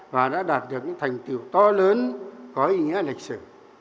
và đã đạt được những thành tiệu to lớn có ý nghĩa lịch sử